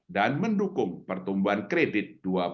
dan mendukung pertumbuhan kredit dua ribu dua puluh empat